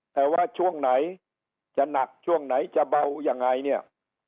แต่ว่าช่วงไหนจะหนักช่วงไหนจะเบายังไงเนี่ย